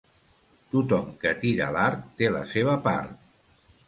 Tothom que tira l'art té la seva part.